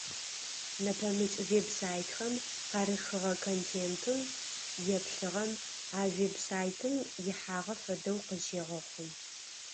Нэпэмыкӏ веб-сайтхэм къарыхыгъэ контентым еплъыгъэм а веб-сайтым ихьагъэ фэдэу къызщегъэхъу.